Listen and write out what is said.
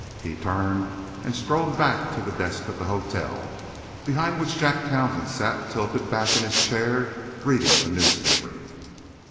He turned and strode back to the desk of the hotel, behind which Jack Townsend sat tilted back in his chair reading a newspaper.